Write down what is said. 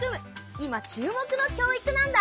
今注目の教育なんだ！